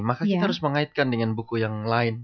maka kita harus mengaitkan dengan buku yang lain